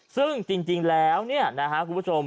ซึ่งจริงแล้วนะครับคุณผู้ชม